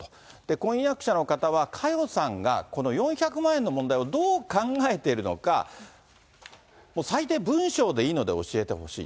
婚約者の方は、佳代さんが、この４００万円の問題をどう考えてるのか、最低、文書でいいので教えてほしい。